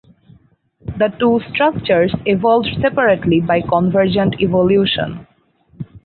The two structures evolved separately by convergent evolution.